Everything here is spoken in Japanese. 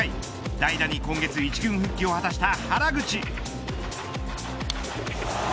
代打に今月一軍復帰を果たした原口。